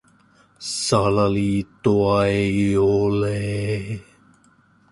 Salaliittoa ei ole.